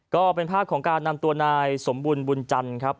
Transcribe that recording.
ก็เป็นภาพของการนำตัวนายสมบุญบุญจันทร์ครับ